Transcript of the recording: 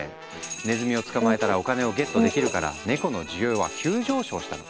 ネズミを捕まえたらお金をゲットできるからネコの需要は急上昇したの。